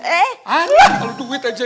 kalau duit aja